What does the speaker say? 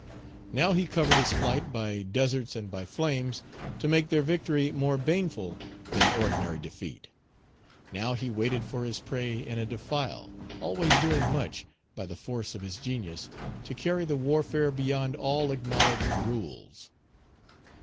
Now he covered his flight by deserts and by flames to make their victory more baneful than ordinary defeat; now he waited for his prey in a defile, always doing much, by the force of his genius, to carry the warfare beyond all acknowledged rules.